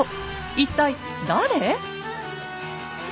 一体誰？